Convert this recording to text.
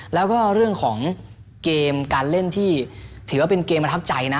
แล้วก็เรื่องของเกมการเล่นที่ถือว่าเป็นเกมประทับใจนะ